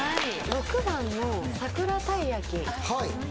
６番のさくらたい焼き